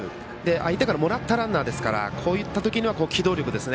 相手からもらったランナーですからこういった時には機動力です。